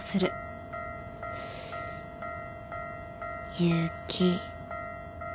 雪。